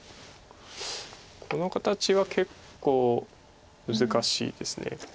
この形は結構難しいです。